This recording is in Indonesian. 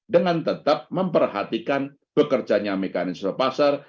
dengan tetap memperhatikan bekerjanya mekanisme pasar